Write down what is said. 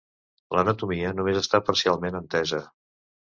L'anatomia només està parcialment entesa.